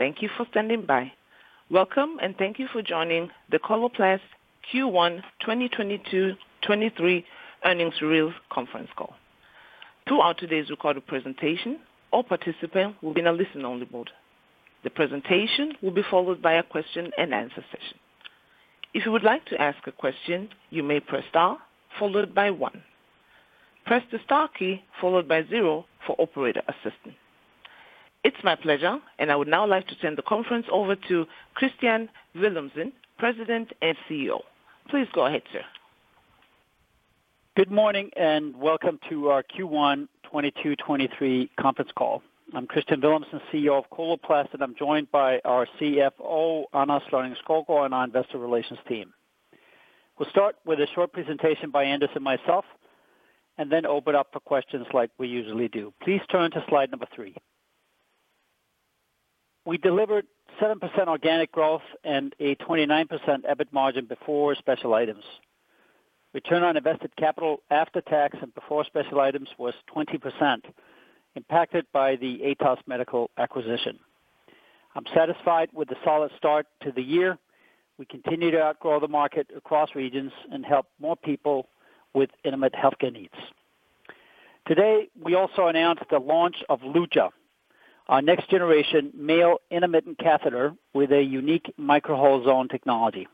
Thank you for standing by. Welcome. Thank you for joining the Coloplast Q1 2022-'23 earnings results conference call. Throughout today's recorded presentation, all participants will be in a listen-only mode. The presentation will be followed by a question-and-answer session. If you would like to ask a question, you may press star followed by one. Press the star key followed by zero for operator assistance. It's my pleasure, and I would now like to turn the conference over to Kristian Villumsen, President and CEO. Please go ahead, sir. Good morning, and welcome to our Q1 2022-2023 conference call. I'm Kristian Villumsen, CEO of Coloplast, and I'm joined by our CFO, Anders Lonning-Skovgaard, and our investor relations team. We'll start with a short presentation by Anders and myself and then open up for questions like we usually do. Please turn to slide number three. We delivered 7% organic growth and a 29% EBIT margin before special items. Return on invested capital after tax and before special items was 20%, impacted by the Atos Medical acquisition. I'm satisfied with the solid start to the year. We continue to outgrow the market across regions and help more people with intimate healthcare needs. Today, we also announced the launch of Luja, our next-generation male intermittent catheter with a unique Micro-hole Zone Technology.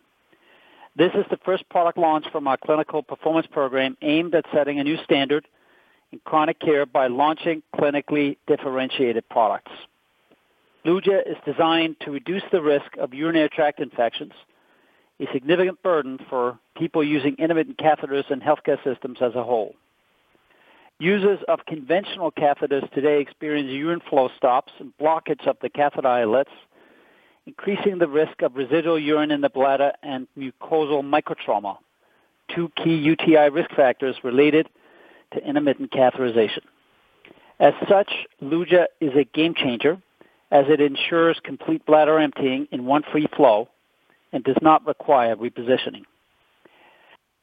This is the first product launch from our Clinical Performance Program aimed at setting a new standard in chronic care by launching clinically differentiated products. Luja is designed to reduce the risk of urinary tract infections, a significant burden for people using intermittent catheters and healthcare systems as a whole. Users of conventional catheters today experience urine flow stops and blockage of the catheter eyelets, increasing the risk of residual urine in the bladder and mucosal microtrauma, two key UTI risk factors related to intermittent catheterization. As such, Luja is a game changer as it ensures complete bladder emptying in one free flow and does not require repositioning.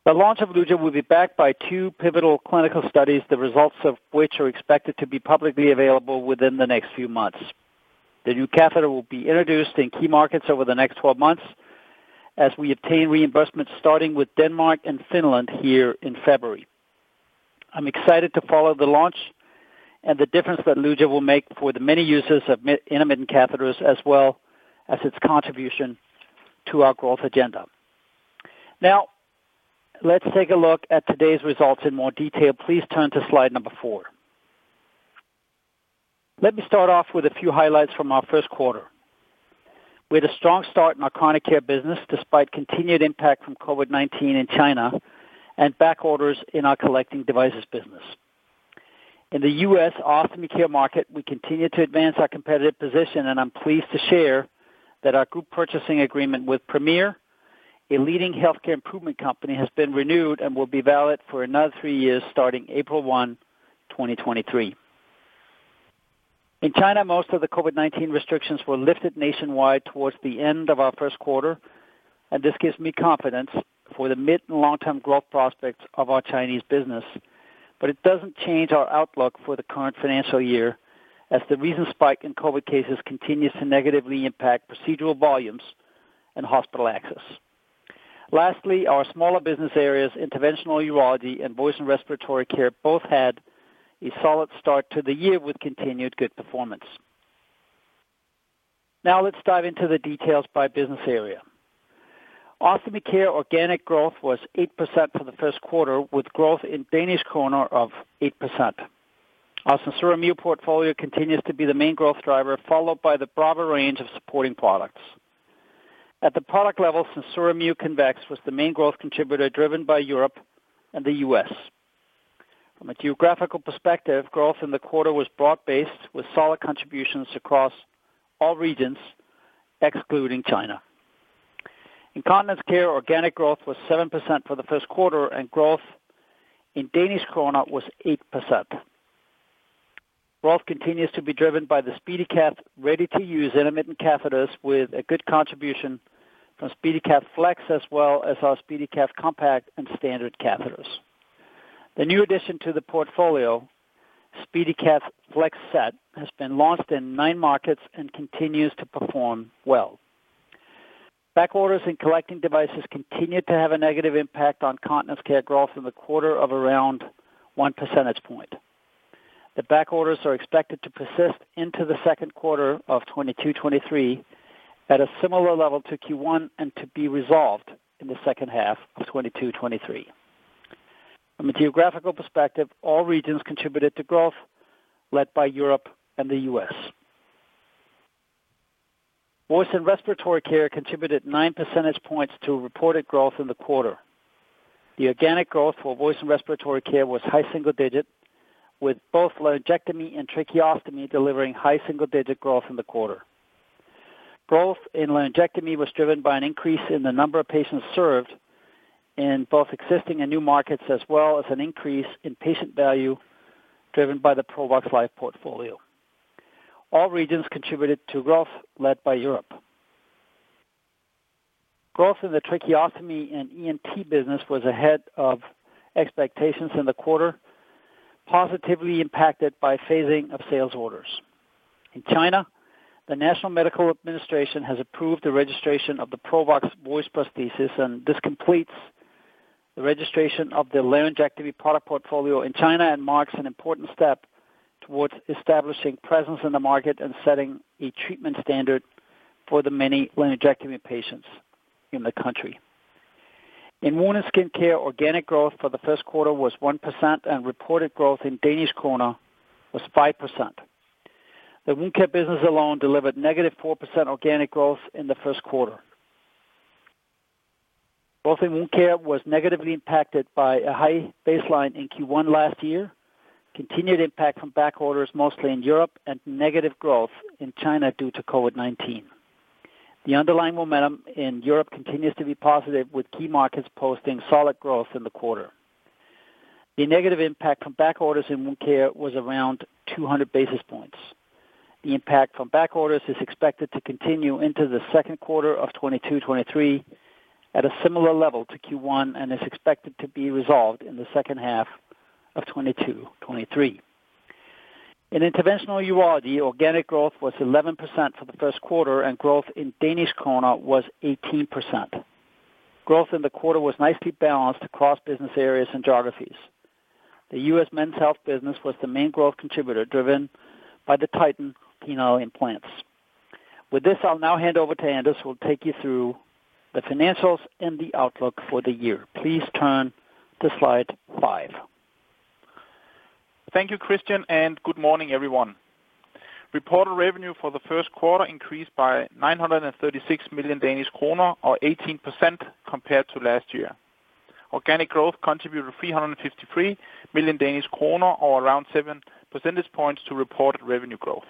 The launch of Luja will be backed by two pivotal clinical studies, the results of which are expected to be publicly available within the next few months. The new catheter will be introduced in key markets over the next 12 months as we obtain reimbursements starting with Denmark and Finland here in February. I'm excited to follow the launch and the difference that Luja will make for the many users of intermittent catheters as well as its contribution to our growth agenda. Let's take a look at today's results in more detail. Please turn to slide four. Let me start off with a few highlights from our Q1. We had a strong start in our chronic care business despite continued impact from COVID-19 in China and backorders in our collecting devices business. In the U.S. ostomy care market, we continue to advance our competitive position, and I'm pleased to share that our group purchasing agreement with Premier, a leading healthcare improvement company, has been renewed and will be valid for another three years starting April 1, 2023. In China, most of the COVID-19 restrictions were lifted nationwide towards the end of our Q1, and this gives me confidence for the mid- and long-term growth prospects of our Chinese business. it doesn't change our outlook for the current financial year as the recent spike in COVID cases continues to negatively impact procedural volumes and hospital access. Lastly, our smaller business areas, Interventional Urology and Voice & Respiratory Care, both had a solid start to the year with continued good performance. Now let's dive into the details by business area. Ostomy care organic growth was 8% for the Q1, with growth in DKK of 8%. Our SenSura Mio portfolio continues to be the main growth driver, followed by the Brava range of supporting products. At the product level, SenSura Mio Convex was the main growth contributor driven by Europe and the U.S. From a geographical perspective, growth in the quarter was broad-based with solid contributions across all regions excluding China. In continence care, organic growth was 7% for the Q1, and growth in DKK was 8%. Growth continues to be driven by the SpeediCath ready-to-use intermittent catheters with a good contribution from SpeediCath Flex as well as our SpeediCath Compact and standard catheters. The new addition to the portfolio, SpeediCath Flex Set, has been launched in nine markets and continues to perform well. Backorders in collecting devices continued to have a negative impact on continence care growth in the quarter of around one percentage point. The backorders are expected to persist into the Q2 of 2022, 2023 at a similar level to Q1 and to be resolved in the H2 of 2022, 2023. From a geographical perspective, all regions contributed to growth led by Europe and the U.S. Voice & Respiratory Care contributed nine percentage points to reported growth in the quarter. The organic growth for Voice & Respiratory Care was high single-digit, with both laryngectomy and tracheostomy delivering high single-digit growth in the quarter. Growth in laryngectomy was driven by an increase in the number of patients served in both existing and new markets, as well as an increase in patient value driven by the Provox Life portfolio. All regions contributed to growth led by Europe. Growth in the tracheostomy and ENT business was ahead of expectations in the quarter, positively impacted by phasing of sales orders. In China, the National Medical Products Administration has approved the registration of the Provox voice prosthesis, and this completes the registration of the laryngectomy product portfolio in China and marks an important step towards establishing presence in the market and setting a treatment standard for the many laryngectomy patients in the country. In wound and skin care, organic growth for the Q1 was 1% and reported growth in DKK was 5%. The wound care business alone delivered -4% organic growth in the Q1. Growth in wound care was negatively impacted by a high baseline in Q1 last year, continued impact from backorders mostly in Europe, and negative growth in China due to COVID-19. The underlying momentum in Europe continues to be positive, with key markets posting solid growth in the quarter. The negative impact from backorders in wound care was around 200 basis points. The impact from backorders is expected to continue into the Q2 of 2022, 2023 at a similar level to Q1 and is expected to be resolved in the H2 of 2022, 2023. In Interventional Urology, organic growth was 11% for the Q1 and growth in DKK was 18%. Growth in the quarter was nicely balanced across business areas and geographies. The U.S. men's health business was the main growth contributor, driven by the Titan penile implants. With this, I'll now hand over to Anders, who will take you through the financials and the outlook for the year. Please turn to slide five. Thank you, Kristian, and good morning, everyone. Reported revenue for the Q1 increased by 936 million Danish kroner or 18% compared to last year. Organic growth contributed 353 million Danish kroner or around seven percentage points to reported revenue growth.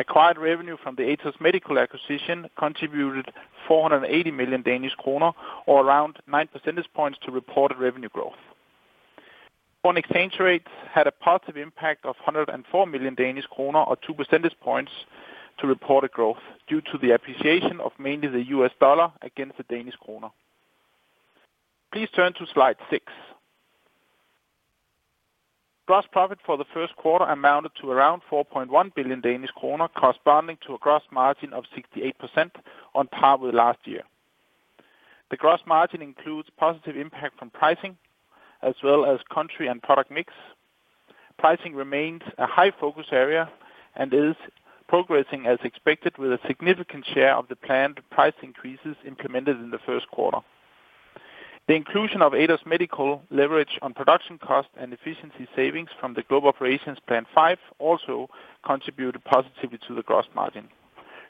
Acquired revenue from the Atos Medical acquisition contributed 480 million Danish kroner or around nine percentage points to reported revenue growth. Foreign exchange rates had a positive impact of 104 million Danish kroner or two percentage points to reported growth due to the appreciation of mainly the US dollar against the Danish kroner. Please turn to slide six. Gross profit for the Q1 amounted to around 4.1 billion Danish kroner, corresponding to a gross margin of 68% on par with last year. The gross margin includes positive impact from pricing as well as country and product mix. Pricing remains a high focus area and is progressing as expected with a significant share of the planned price increases implemented in the Q1. The inclusion of Atos Medical leverage on production cost and efficiency savings from the Global Operations Plan 5 also contributed positively to the gross margin.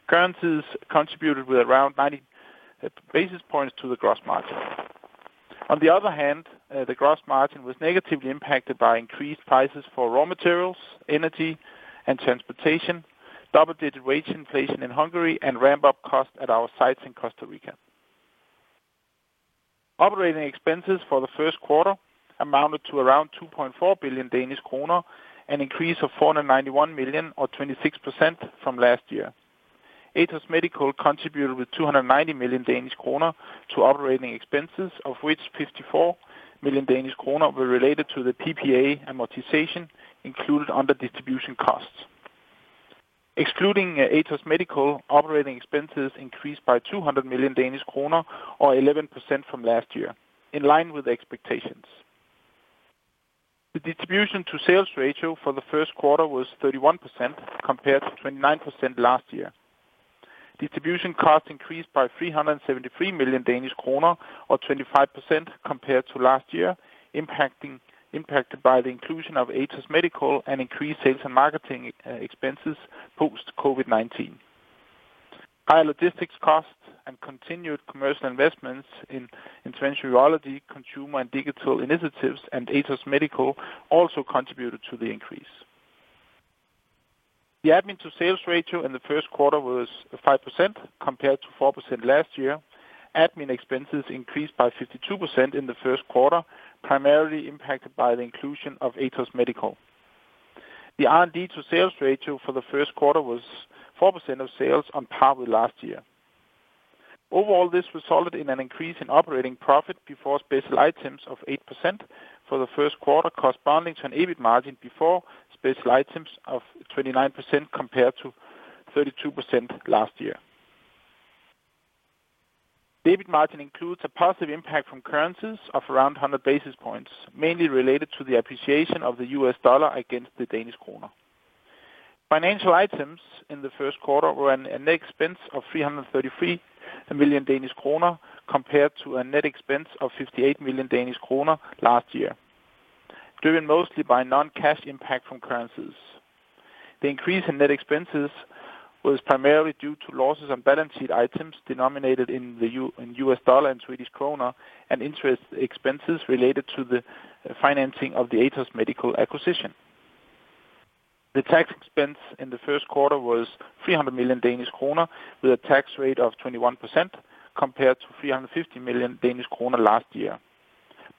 Currencies contributed with around 90 basis points to the gross margin. The gross margin was negatively impacted by increased prices for raw materials, energy and transportation, double-digit wage inflation in Hungary, and ramp-up costs at our sites in Costa Rica. Operating expenses for the Q1 amounted to around 2.4 billion Danish kroner, an increase of 491 million or 26% from last year. Atos Medical contributed with 290 million Danish kroner to operating expenses, of which 54 million Danish kroner were related to the PPA amortization included under distribution costs. Excluding Atos Medical, operating expenses increased by 200 million Danish kroner or 11% from last year in line with expectations. The distribution to sales ratio for the Q1 was 31% compared to 29% last year. Distribution costs increased by 373 million Danish kroner or 25% compared to last year, impacted by the inclusion of Atos Medical and increased sales and marketing e-expenses post COVID-19. Higher logistics costs and continued commercial investments in urology, consumer and digital initiatives and Atos Medical also contributed to the increase. The admin to sales ratio in the Q1 was 5% compared to 4% last year. Admin expenses increased by 52% in the Q1, primarily impacted by the inclusion of Atos Medical. The R&D to sales ratio for the Q1 was 4% of sales on par with last year. Overall, this resulted in an increase in operating profit before special items of 8% for the Q1, corresponding to an EBIT margin before special items of 29% compared to 32% last year. EBIT margin includes a positive impact from currencies of around 100 basis points, mainly related to the appreciation of the U.S. dollar against the Danish kroner. Financial items in the Q1 were a net expense of 333 million Danish kroner compared to a net expense of 58 million Danish kroner last year, driven mostly by non-cash impact from currencies. The increase in net expenses was primarily due to losses on balance sheet items denominated in U.S. dollar and Swedish kroner and interest expenses related to the financing of the Atos Medical acquisition. The tax expense in the Q1 was 300 million Danish kroner with a tax rate of 21%, compared to 350 million Danish kroner last year,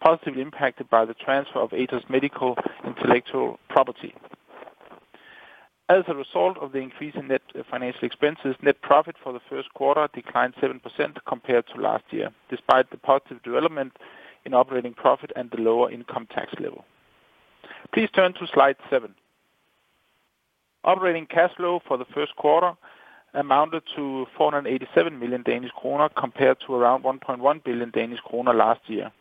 positively impacted by the transfer of Atos Medical intellectual property. The increase in net financial expenses, net profit for the Q1 declined 7% compared to last year, despite the positive development in operating profit and the lower income tax level. Please turn to slide seven. Operating cash flow for the Q1 amounted to 487 million Danish kroner compared to around 1.1 billion Danish kroner last year.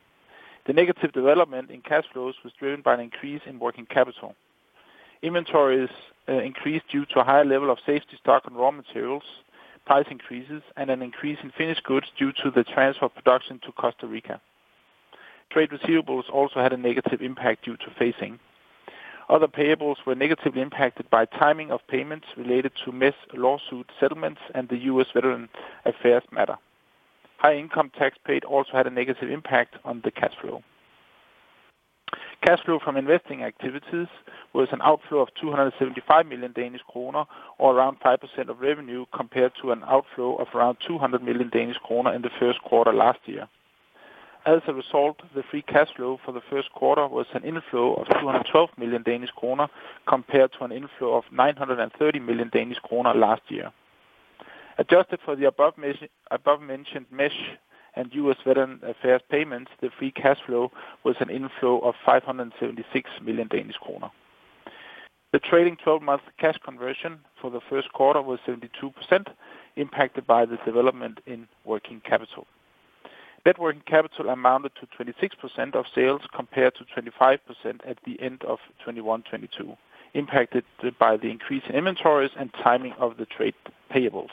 The negative development in cash flows was driven by an increase in working capital. Inventories increased due to a high level of safety stock and raw materials, price increases, and an increase in finished goods due to the transfer of production to Costa Rica. Trade receivables also had a negative impact due to phasing. Other payables were negatively impacted by timing of payments related to mesh lawsuit settlements and the U.S. Veteran Affairs matter. High income tax paid also had a negative impact on the cash flow. Cash flow from investing activities was an outflow of 275 million Danish kroner, or around 5% of revenue, compared to an outflow of around 200 million Danish kroner in the Q1 last year. As a result, the free cash flow for the Q1 was an inflow of 212 million Danish kroner, compared to an inflow of 930 million Danish kroner last year. Adjusted for the above-mentioned mesh and U.S. Veterans Affairs payments, the free cash flow was an inflow of 576 million Danish kroner. The trailing 12 months cash conversion for the Q1 was 72% impacted by the development in working capital. Net working capital amounted to 26% of sales, compared to 25% at the end of 2021, 2022, impacted by the increase in inventories and timing of the trade payables.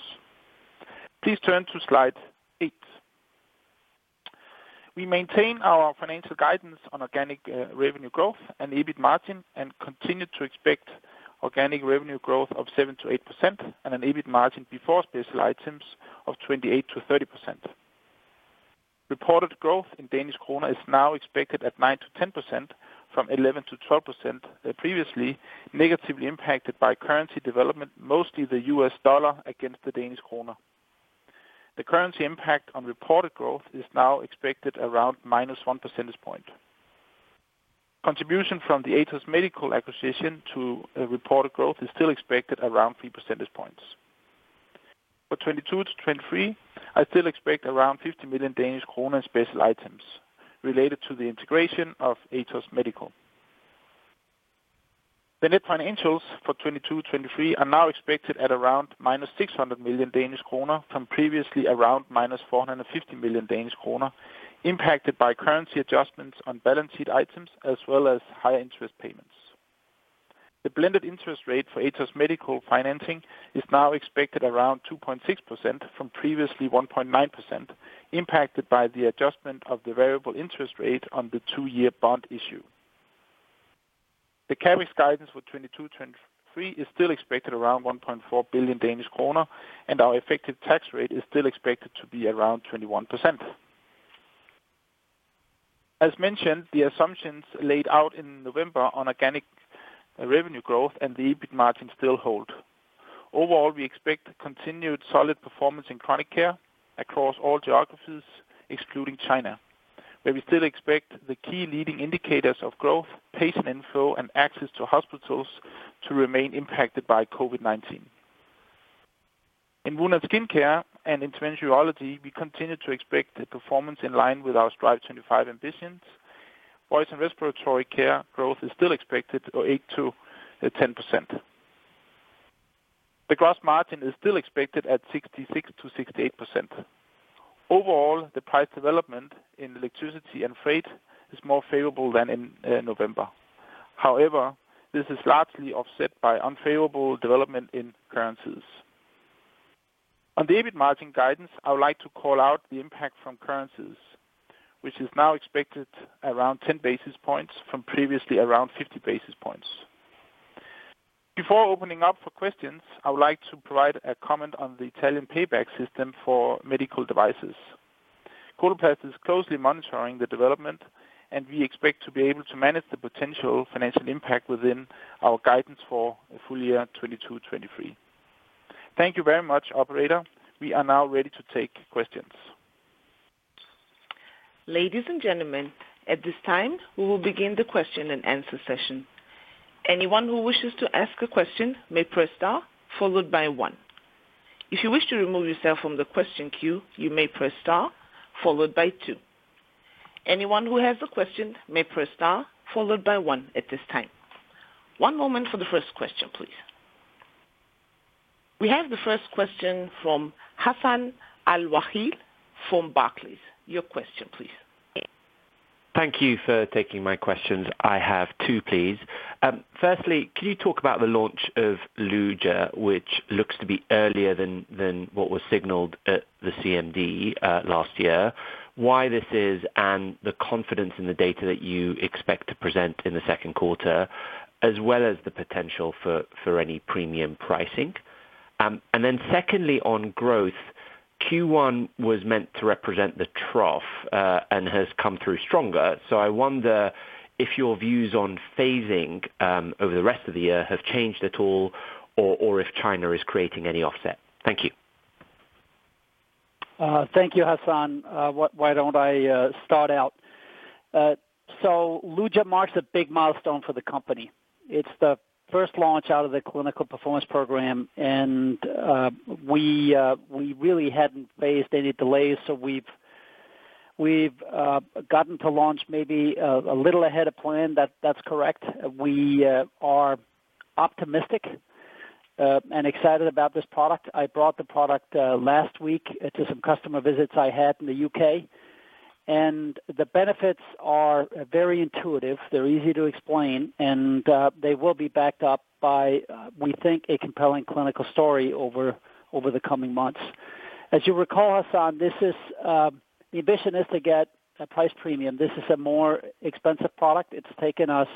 Please turn to slide eight. We maintain our financial guidance on organic revenue growth and EBIT margin and continue to expect organic revenue growth of 7%-8% and an EBIT margin before special items of 28%-30%. Reported growth in Danish kroner is now expected at 9%-10% from 11%-12% previously, negatively impacted by currency development, mostly the U.S. dollar against the Danish kroner. The currency impact on reported growth is now expected around -1 percentage point. Contribution from the Atos Medical acquisition to reported growth is still expected around three percentage points. For 2022-2023, I still expect around 50 million Danish kroner in special items related to the integration of Atos Medical. The net financials for 2022, 2023 are now expected at around minus 600 million Danish kroner from previously around minus 450 million Danish kroner, impacted by currency adjustments on balance sheet items as well as high interest payments. The blended interest rate for Atos Medical financing is now expected around 2.6% from previously 1.9%, impacted by the adjustment of the variable interest rate on the two-year bond issue. The CAPEX guidance for 2022, 2023 is still expected around 1.4 billion Danish kroner, and our effective tax rate is still expected to be around 21%. As mentioned, the assumptions laid out in November on organic revenue growth and the EBIT margin still hold. Overall, we expect continued solid performance in chronic care across all geographies, excluding China, where we still expect the key leading indicators of growth, patient inflow, and access to hospitals to remain impacted by COVID-19. In wound and skin care and Interventional Urology, we continue to expect the performance in line with our Strive25 ambitions. Voice & Respiratory Care growth is still expected for 8%-10%. The gross margin is still expected at 66%-68%. Overall, the price development in electricity and freight is more favorable than in November. However, this is largely offset by unfavorable development in currencies. On the EBIT margin guidance, I would like to call out the impact from currencies, which is now expected around 10 basis points from previously around 50 basis points. Before opening up for questions, I would like to provide a comment on the Italian payback system for medical devices. Coloplast is closely monitoring the development. We expect to be able to manage the potential financial impact within our guidance for full year 2022-2023. Thank you very much, operator. We are now ready to take questions. Ladies and gentlemen, at this time, we will begin the question and answer session. Anyone who wishes to ask a question may press star one. If you wish to remove yourself from the question queue, you may press star two. Anyone who has a question may press star one at this time. One moment for the first question, please. We have the first question from Hassan Al-Wakeel from Barclays. Your question please. Thank you for taking my questions. I have two, please. Firstly, can you talk about the launch of Luja, which looks to be earlier than what was signaled at the CMD last year. Why this is and the confidence in the data that you expect to present in the Q2, as well as the potential for any premium pricing. Secondly, on growth, Q1 was meant to represent the trough and has come through stronger. I wonder if your views on phasing over the rest of the year have changed at all or if China is creating any offset. Thank you. Thank you, Hassan. Why don't I start out. Luja marks a big milestone for the company. It's the first launch out of the Clinical Performance Program. We really hadn't faced any delays, so we've gotten to launch maybe a little ahead of plan. That's correct. We are optimistic and excited about this product. I brought the product last week to some customer visits I had in the U.K. The benefits are very intuitive. They're easy to explain. They will be backed up by, we think, a compelling clinical story over the coming months. As you recall, Hassan, this is the ambition is to get a price premium. This is a more expensive product. It's taken us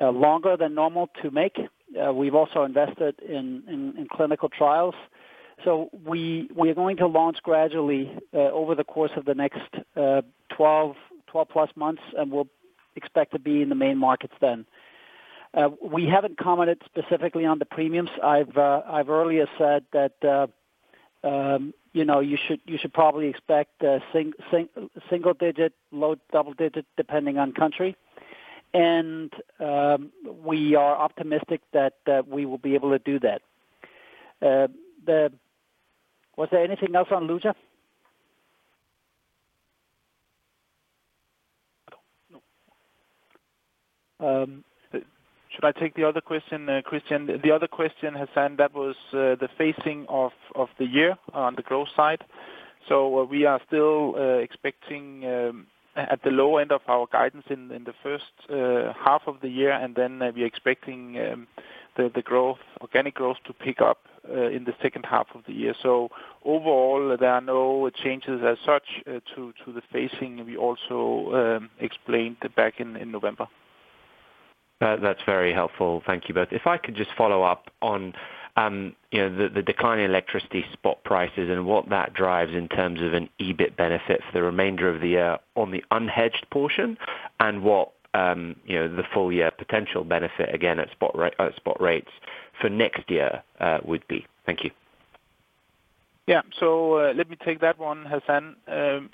longer than normal to make. We've also invested in clinical trials. We're going to launch gradually over the course of the next 12-plus months, and we'll expect to be in the main markets then. We haven't commented specifically on the premiums. I've earlier said that, you know, you should probably expect single digit, low double digit, depending on country. We are optimistic that we will be able to do that. Was there anything else on Luja? No. Should I take the other question, Christian? The other question, Hassan, that was the phasing of the year on the growth side. We are still expecting at the low end of our guidance in the H1 of the year, and then we're expecting the growth, organic growth to pick up in the H2 of the year. Overall, there are no changes as such to the phasing. We also explained back in November. That's very helpful. Thank you both. If I could just follow up on, you know, the decline in electricity spot prices and what that drives in terms of an EBIT benefit for the remainder of the year on the unhedged portion, and what, you know, the full year potential benefit again at spot rates for next year, would be. Thank you. Yeah. Let me take that one, Hassan.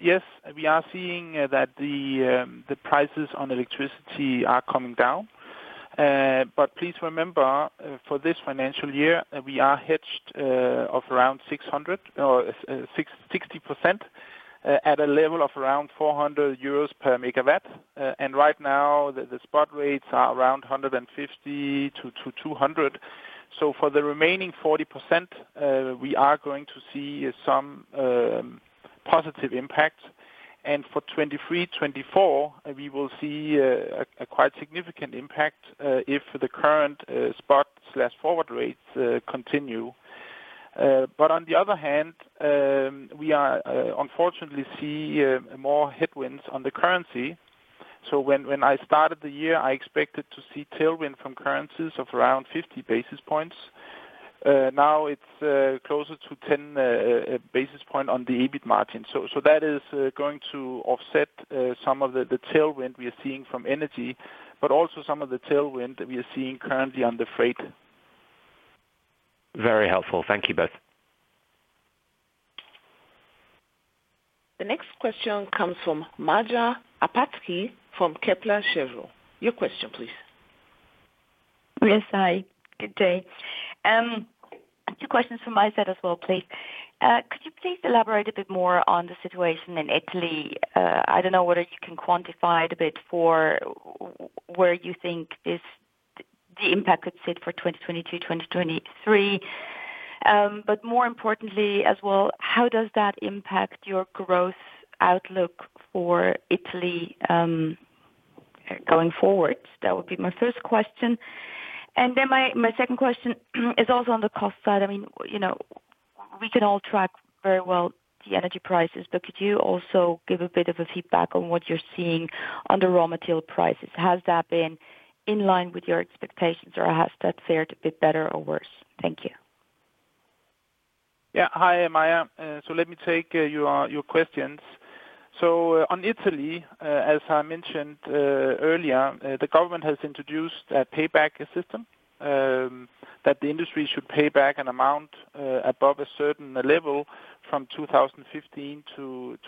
Yes, we are seeing that the prices on electricity are coming down. Please remember, for this financial year, we are hedged of around 60%, at a level of around 400 euros per megawatt. Right now the spot rates are around 150-200. For the remaining 40%, we are going to see some positive impact. For 2023, 2024, we will see a quite significant impact, if the current spot/forward rates continue. On the other hand, we are unfortunately see more headwinds on the currency. When I started the year, I expected to see tailwind from currencies of around 50 basis points. Now it's closer to 10 basis point on the EBIT margin. That is going to offset some of the tailwind we are seeing from energy, but also some of the tailwind we are seeing currently on the freight. Very helpful. Thank you both. The next question comes from Maja Pataki from Kepler Cheuvreux. Your question please. Yes, hi. Good day. Two questions from my side as well, please. Could you please elaborate a bit more on the situation in Italy? I don't know whether you can quantify it a bit for where you think is the impact could sit for 2022, 2023. More importantly as well, how does that impact your growth outlook for Italy going forward? That would be my first question. My second question is also on the cost side. I mean, you know, we can all track very well the energy prices, but could you also give a bit of a feedback on what you're seeing on the raw material prices? Has that been in line with your expectations, or has that fared a bit better or worse? Thank you. Hi, Maja. Let me take your questions. On Italy, as I mentioned earlier, the government has introduced a payback system that the industry should pay back an amount above a certain level from 2015-2022.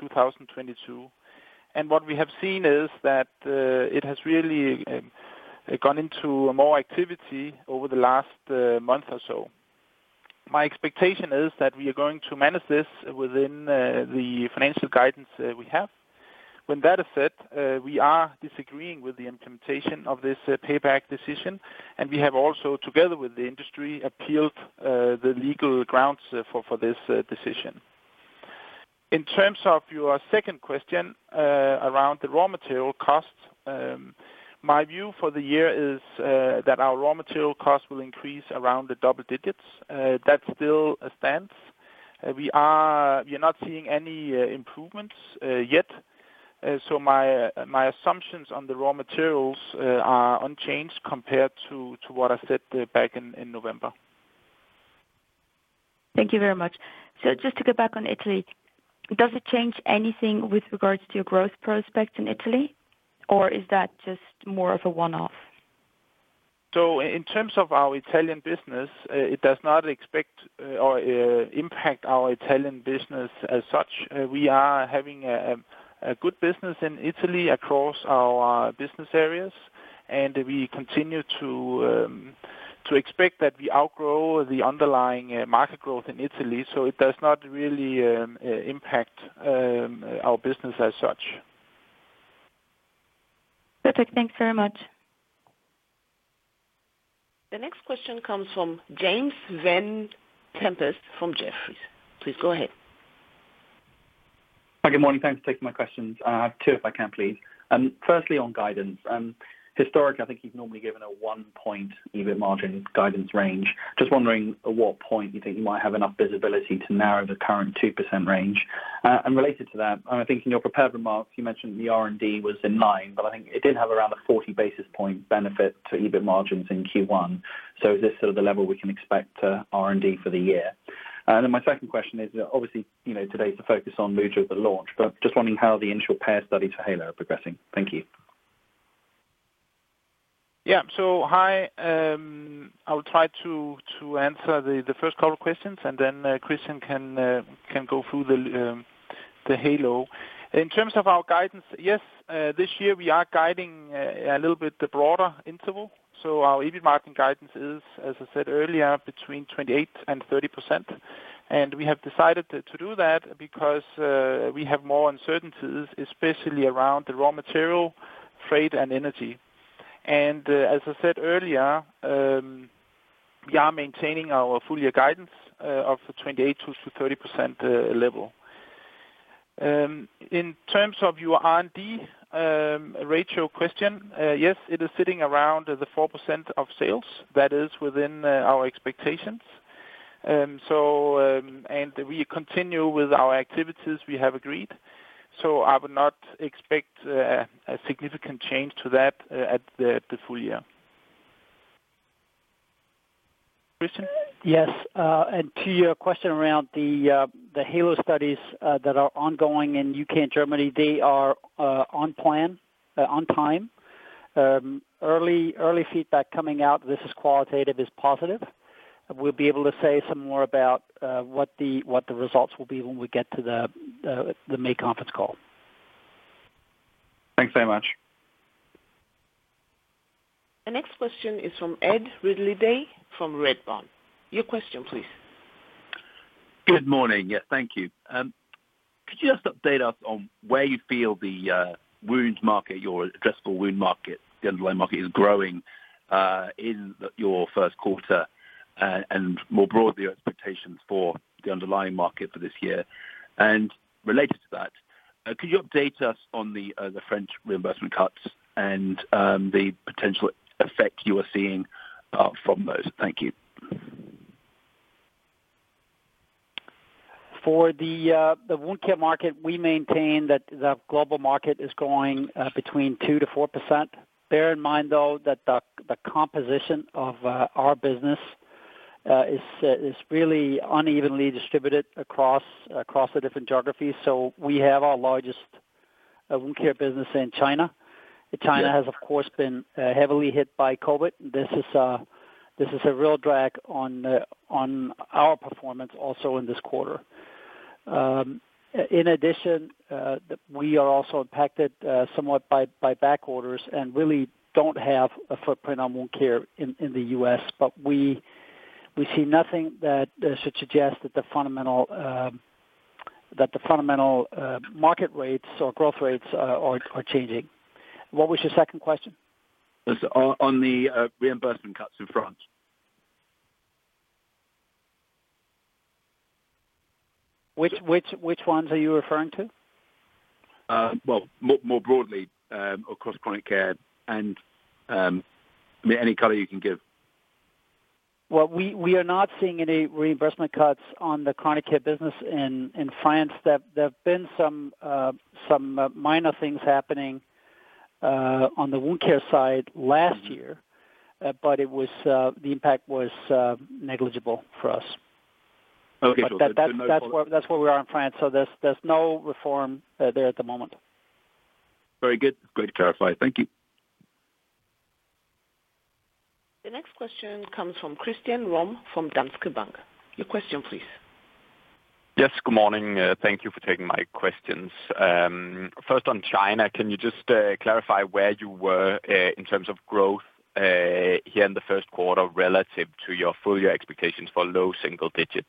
What we have seen is that it has really gone into more activity over the last month or so. My expectation is that we are going to manage this within the financial guidance we have. When that is said, we are disagreeing with the implementation of this payback decision, and we have also, together with the industry, appealed the legal grounds for this decision. In terms of your second question, around the raw material costs, my view for the year is that our raw material costs will increase around the double digits. That still stands. We're not seeing any improvements yet. My assumptions on the raw materials are unchanged compared to what I said back in November. Thank you very much. Just to go back on Italy, does it change anything with regards to your growth prospects in Italy, or is that just more of a one-off? In terms of our Italian business, it does not expect or impact our Italian business as such. We are having a good business in Italy across our business areas, and we continue to expect that we outgrow the underlying market growth in Italy. It does not really impact our business as such. Perfect. Thanks very much. The next question comes from James Vane-Tempest from Jefferies. Please go ahead. Hi. Good morning. Thanks for taking my questions. I have two, if I can please. Firstly, on guidance. Historically, I think you've normally given a one point EBIT margin guidance range. Just wondering at what point you think you might have enough visibility to narrow the current 2% range. Related to that, I think in your prepared remarks, you mentioned the R&D was in line, but I think it did have around a 40 basis point benefit to EBIT margins in Q1. Is this sort of the level we can expect R&D for the year? My second question is, obviously, you know, today's the focus on Luja, the launch, but just wondering how the initial payer studies for Heylo are progressing. Thank you. Yeah. Hi, I will try to answer the first couple of questions, then Christian can go through the Heylo. In terms of our guidance. Yes, this year we are guiding a little bit the broader interval. Our EBIT margin guidance is, as I said earlier, between 28% and 30%. We have decided to do that because we have more uncertainties, especially around the raw material, freight, and energy. As I said earlier, we are maintaining our full year guidance of the 28%-30% level. In terms of your R&D ratio question, yes, it is sitting around the 4% of sales. That is within our expectations. We continue with our activities we have agreed. I would not expect a significant change to that at the full year. Christian? Yes. To your question around the Heylo studies that are ongoing in U.K. and Germany, they are on time. Early feedback coming out, this is qualitative, is positive. We'll be able to say some more about what the results will be when we get to the May conference call. Thanks very much. The next question is from Ed Ridley-Day from Redburn. Your question please. Good morning. Yes. Thank you. Could you just update us on where you feel the wounds market, your addressable wound market, the underlying market, is growing in your Q1 and more broadly, your expectations for the underlying market for this year? Related to that, could you update us on the French reimbursement cuts and the potential effect you are seeing from those? Thank you. For the wound care market, we maintain that the global market is growing 2%-4%. Bear in mind, though, that the composition of our business is really unevenly distributed across the different geographies. We have our largest wound care business in China. China has, of course, been heavily hit by COVID. This is a real drag on our performance also in this quarter. In addition, we are also impacted somewhat by back orders and really don't have a footprint on wound care in the U.S. We see nothing that should suggest that the fundamental market rates or growth rates are changing. What was your second question? It was on the reimbursement cuts in France. Which ones are you referring to? Well, more broadly, across chronic care and, I mean, any color you can give. Well, we are not seeing any reimbursement cuts on the chronic care business in France. There have been some minor things happening on the wound care side last year, but the impact was negligible for us. Okay. That's where we are in France. There's no reform there at the moment. Very good. Great to clarify. Thank you. The next question comes from Christian Ryom from Danske Bank. Your question please. Yes, good morning. Thank you for taking my questions. First on China, can you just clarify where you were in terms of growth here in the Q1 relative to your full year expectations for low single digit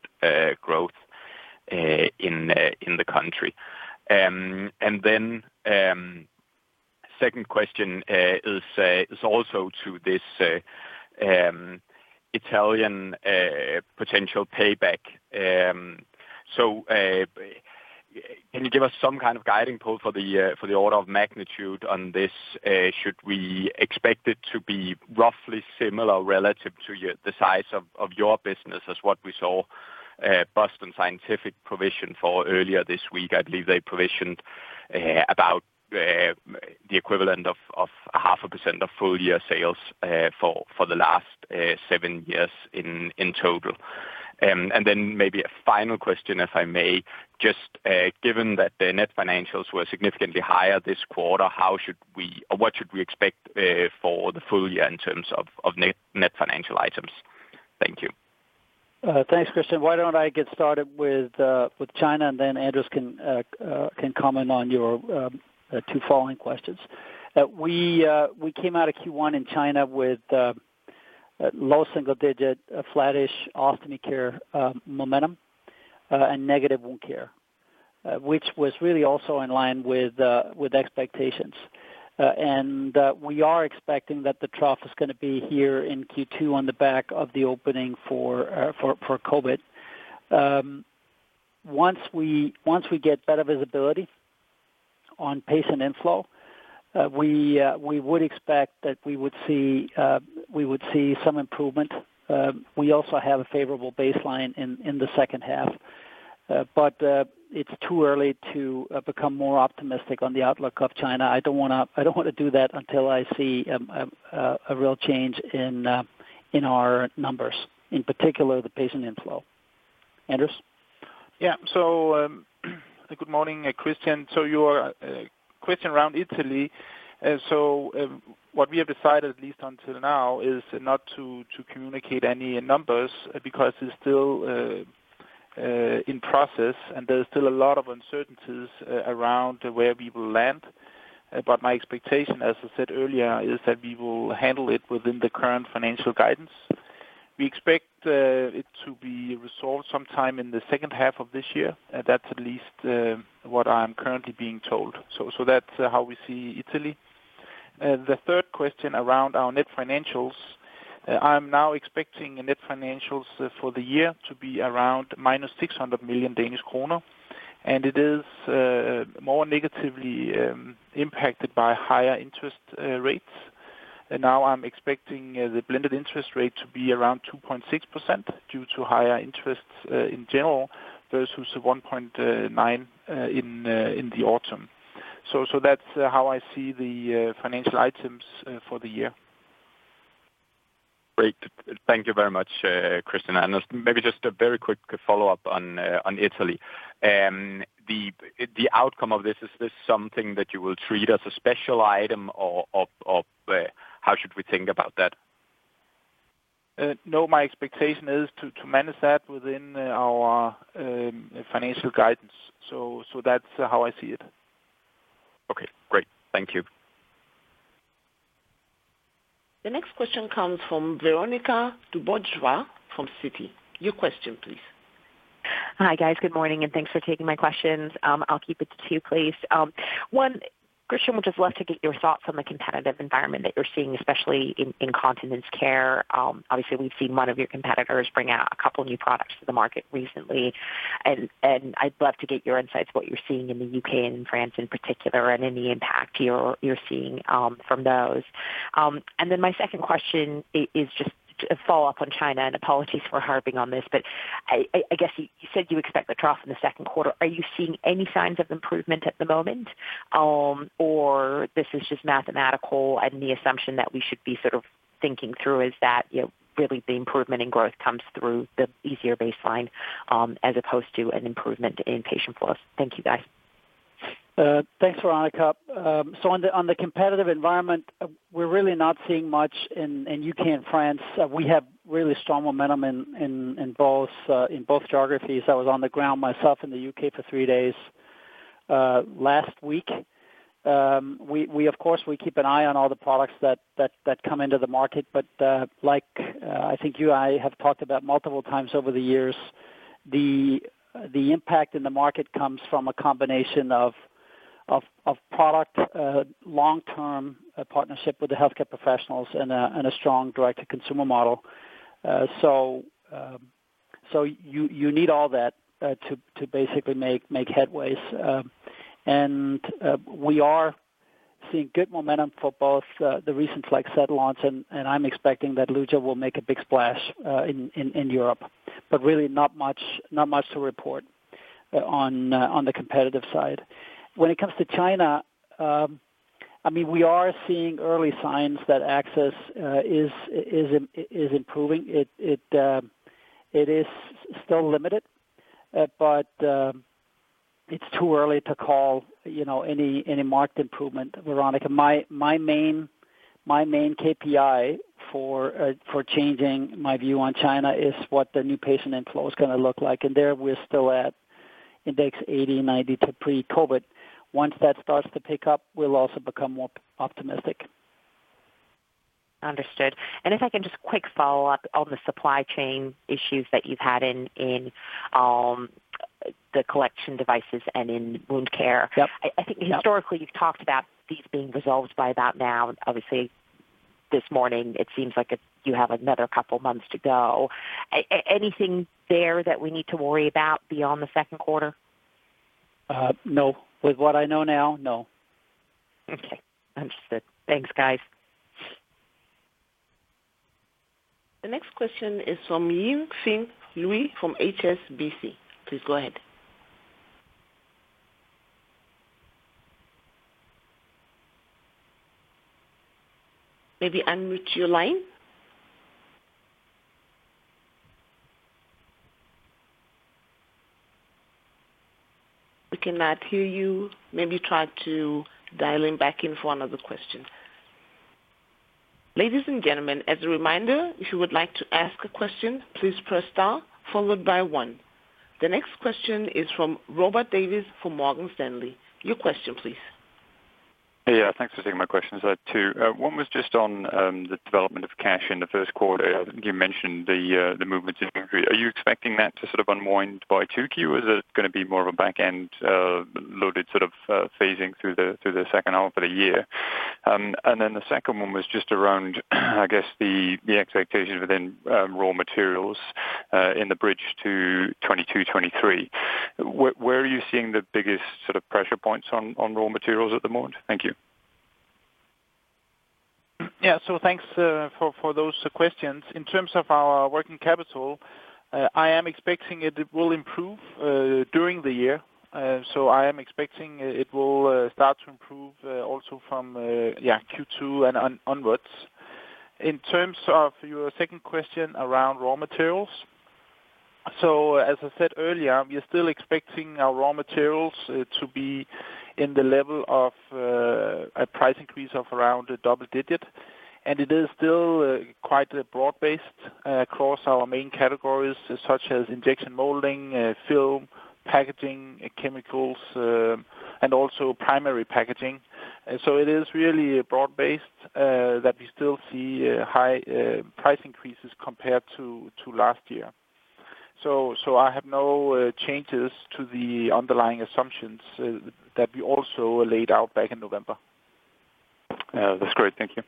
growth in the country? Second question is also to this Italian potential payback. Can you give us some kind of guiding pull for the order of magnitude on this? Should we expect it to be roughly similar relative to the size of your business as what we saw Boston Scientific provision for earlier this week? I believe they provisioned about the equivalent of 0.5% of full year sales for the last seven years in total. Maybe a final question, if I may. Just given that the net financials were significantly higher this quarter, how should we or what should we expect for the full year in terms of net financial items? Thank you. Thanks, Christian. Why don't I get started with China, and then Anders can comment on your two following questions. We came out of Q1 in China with low single digit, flat-ish Ostomy Care momentum, and negative Wound Care, which was really also in line with expectations. We are expecting that the trough is gonna be here in Q2 on the back of the opening for COVID. Once we get better visibility on patient inflow, we would expect that we would see some improvement. We also have a favorable baseline in the H2. It's too early to become more optimistic on the outlook of China. I don't wanna do that until I see a real change in our numbers, in particular, the patient inflow. Anders. Yeah. Good morning, Christian. Your question around Italy. What we have decided, at least until now, is not to communicate any numbers because it's still in process, and there is still a lot of uncertainties around where we will land. My expectation, as I said earlier, is that we will handle it within the current financial guidance. We expect it to be resolved sometime in the H2 of this year. That's at least what I'm currently being told. That's how we see Italy. The third question around our net financials. I'm now expecting net financials for the year to be around minus 600 million Danish kroner, and it is more negatively impacted by higher interest rates. Now I'm expecting the blended interest rate to be around 2.6% due to higher interest in general versus 1.9% in the autumn. That's how I see the financial items for the year. Great. Thank you very much, Christian. Maybe just a very quick follow-up on on Italy. The, the outcome of this, is this something that you will treat as a special item or how should we think about that? No, my expectation is to manage that within our financial guidance. That's how I see it. Okay, great. Thank you. The next question comes from Veronika Dubajova from Citi. Your question, please. Hi, guys. Good morning, and thanks for taking my questions. I'll keep it to two, please. One, Christian, would just love to get your thoughts on the competitive environment that you're seeing, especially in Continence Care. Obviously, we've seen one of your competitors bring out a couple new products to the market recently. I'd love to get your insights what you're seeing in the U.K. and France in particular, and any impact you're seeing from those. My second question is just a follow-up on China, and apologies for harping on this, but I guess you said you expect the trough in the Q2. Are you seeing any signs of improvement at the moment? This is just mathematical and the assumption that we should be sort of thinking through is that, you know, really the improvement in growth comes through the easier baseline, as opposed to an improvement in patient flow. Thank you, guys. Thanks, Veronika. On the competitive environment, we're really not seeing much in U.K. and France. We have really strong momentum in both geographies. I was on the ground myself in the U.K. for three days last week. We of course, we keep an eye on all the products that come into the market. Like, I think you and I have talked about multiple times over the years, the impact in the market comes from a combination of product, long-term partnership with the healthcare professionals and a strong direct-to-consumer model. You need all that to basically make headways. We are seeing good momentum for both the recent Flexed launch, and I'm expecting that Luja will make a big splash in Europe. Really not much to report on the competitive side. When it comes to China, I mean, we are seeing early signs that access is improving. It is still limited, but it's too early to call, you know, any marked improvement, Veronika. My main KPI for changing my view on China is what the new patient inflow is gonna look like. There we're still at index 80, 90 to pre-COVID. Once that starts to pick up, we'll also become more optimistic. Understood. If I can just quick follow up on the supply chain issues that you've had in, the collection devices and in wound care. Yep. I think historically you've talked about these being resolved by about now. Obviously this morning it seems like you have another couple months to go. Anything there that we need to worry about beyond the Q2? No. With what I know now, no. Okay. Understood. Thanks, guys. The next question is from Yi-Lin Lu from HSBC. Please go ahead. Maybe unmute your line. We cannot hear you. Maybe try to dial in back in for another question. Ladies and gentlemen, as a reminder, if you would like to ask a question, please press star followed by one. The next question is from Robert Davis, from Morgan Stanley. Your question please. Thanks for taking my questions. Two, one was just on the development of cash in the Q1. You mentioned the movements in inventory. Are you expecting that to sort of unwind by 2Q? Or is it gonna be more of a back end loaded sort of phasing through the H2 of the year? The second one was just around, I guess, the expectations within raw materials in the bridge to 2022-2023. Where are you seeing the biggest sort of pressure points on raw materials at the moment? Thank you. Thanks for those questions. In terms of our working capital, I am expecting it will improve during the year. I am expecting it will start to improve also from Q2 onwards. In terms of your second question around raw materials, as I said earlier, we are still expecting our raw materials to be in the level of a price increase of around double digit, and it is still quite broad-based across our main categories, such as injection molding, film, packaging, chemicals, and also primary packaging. It is really broad-based that we still see high price increases compared to last year. I have no changes to the underlying assumptions that we also laid out back in November. That's great. Thank you.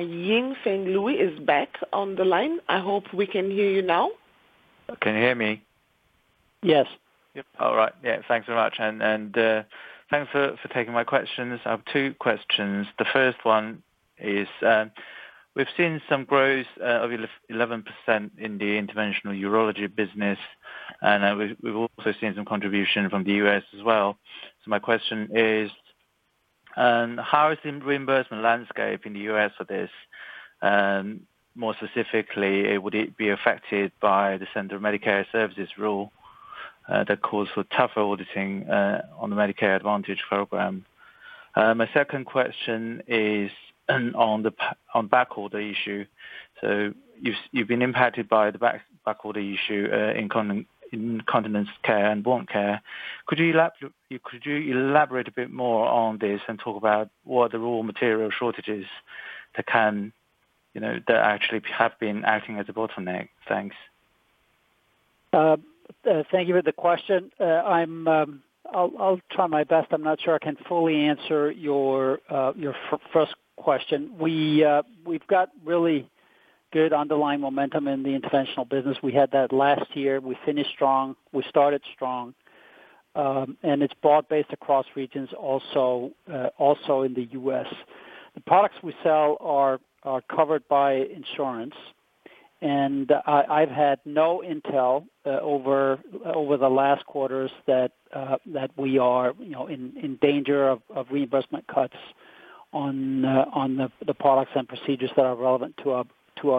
Yi-Feng Lu is back on the line. I hope we can hear you now. Can you hear me? Yes. All right. Yeah, thanks very much. Thanks for taking my questions. I have two questions. The first one is, we've seen some growth of 11% in the Interventional Urology business, we've also seen some contribution from the U.S. as well. My question is, how is the reimbursement landscape in the U.S. for this? More specifically, would it be affected by the Centers for Medicare & Medicaid Services rule that calls for tougher auditing on the Medicare Advantage program? My second question is on the backorder issue. You've been impacted by the backorder issue in continence care and wound care. Could you elaborate a bit more on this and talk about what the raw material shortages that can, you know, that actually have been acting as a bottleneck? Thanks. Thank you for the question. I'll try my best. I'm not sure I can fully answer your first question. We've got really good underlying momentum in the Interventional business. We had that last year. We finished strong, we started strong, and it's broad-based across regions also in the U.S. The products we sell are covered by insurance. I've had no intel over the last quarters that we are, you know, in danger of reimbursement cuts on the products and procedures that are relevant to our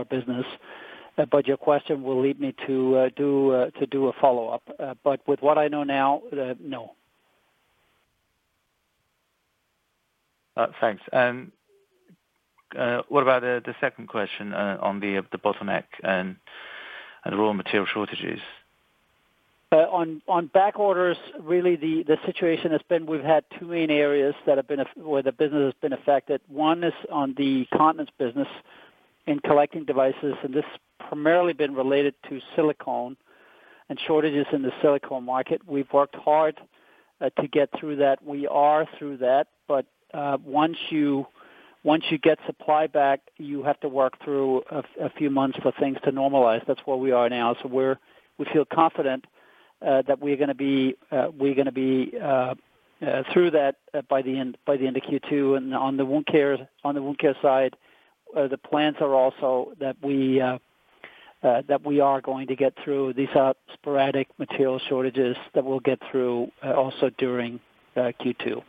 business. Your question will lead me to do a follow-up. With what I know now, no. Thanks. What about the second question on the bottleneck and raw material shortages? On back orders, really, the situation has been we've had two main areas where the business has been affected. One is on the continence business in collecting devices, and this primarily been related to silicone and shortages in the silicone market. We've worked hard to get through that. We are through that. Once you, once you get supply back, you have to work through a few months for things to normalize. That's where we are now. We feel confident that we're gonna be through that by the end, by the end of Q2. On the wound care side, the plans are also that we are going to get through these sporadic material shortages that we'll get through also during Q2.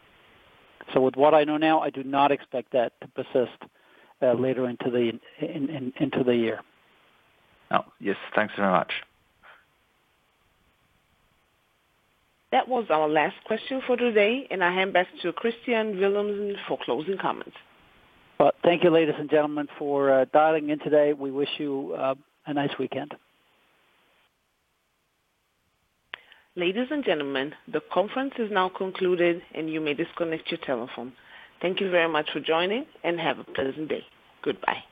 With what I know now, I do not expect that to persist later into the year. Oh, yes. Thanks very much. That was our last question for today. I hand back to Kristian Villumsen for closing comments. Thank you, ladies and gentlemen, for dialing in today. We wish you a nice weekend. Ladies and gentlemen, the conference is now concluded, and you may disconnect your telephone. Thank you very much for joining, and have a pleasant day. Goodbye.